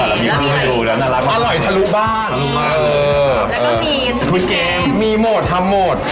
อร่อยทะลุบ้านแล้วก็มีมีโหมดทั้งหมด